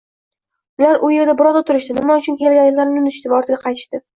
Ular u yerda biroz o‘tirishadi, nima uchun kelganliklarini unutishadi va ortiga qaytishadi.